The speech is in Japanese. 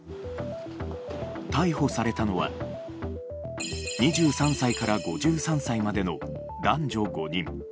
逮捕されたのは２３歳から５３歳までの男女５人。